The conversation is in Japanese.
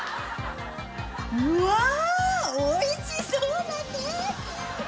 うわおいしそうなケーキ。